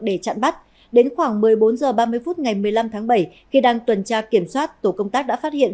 để chặn bắt đến khoảng một mươi bốn h ba mươi phút ngày một mươi năm tháng bảy khi đang tuần tra kiểm soát tổ công tác đã phát hiện